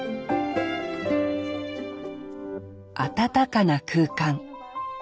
暖かな空間。